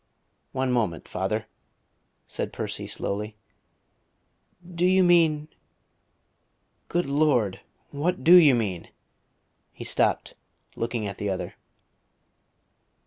"One moment, father," said Percy slowly. "Do you mean ? Good Lord! What do you mean?" He stopped, looking at the other.